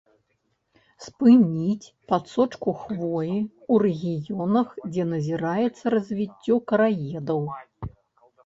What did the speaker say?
Спыніць падсочку хвоі ў рэгіёнах, дзе назіраецца развіццё караедаў.